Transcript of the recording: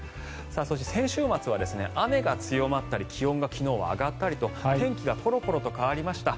そして、先週末は雨が強まったり気温が昨日は上がったりと天気がころころ変わりました。